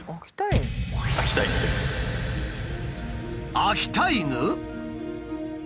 秋田犬？